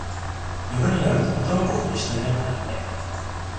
夜になると驚くほど人いなくなるね